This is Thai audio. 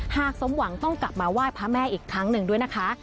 สมหวังต้องกลับมาไหว้พระแม่อีกครั้งหนึ่งด้วยนะคะ